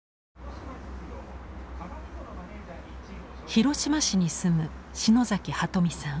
広島市に住む篠崎鳩美さん。